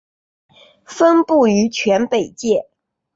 分布于全北界。